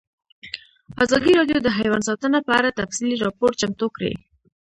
ازادي راډیو د حیوان ساتنه په اړه تفصیلي راپور چمتو کړی.